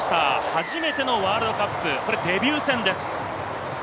初めてのワールドカップ、デビュー戦です。